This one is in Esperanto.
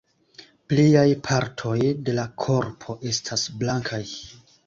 Pliaj partoj de la korpo estas blankaj.